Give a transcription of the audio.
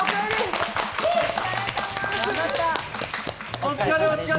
お疲れさまでした。